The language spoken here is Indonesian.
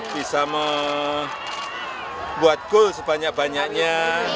bisa membuat goal sebanyak banyaknya